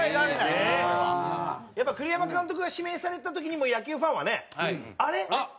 やっぱり栗山監督が指名された時にもう野球ファンはね「あれ？